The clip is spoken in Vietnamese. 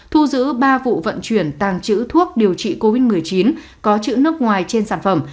thu giữ ba vụ vận chuyển tàng trữ thuốc điều trị covid một mươi chín có chữ nước ngoài trên sản phẩm